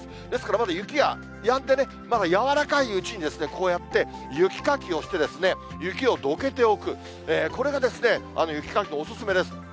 ですから、雪がやんで、まだやわらかいうちに、こうやって雪かきをして、雪をどけておく、これがですね、雪かき、お勧めです。